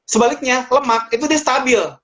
sebaliknya lemak itu dia stabil